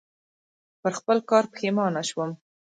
پر خپل کار پښېمانه شوم .